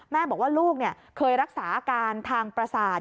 แม่บอกว่าลูกเคยรักษาอาการทางประสาท